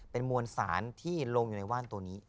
เป็นมวลสารที่ลงอยู่ในว่านตัวนี้